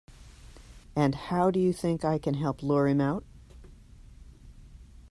And how do you think I can help lure him out?